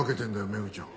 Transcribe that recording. メグちゃん。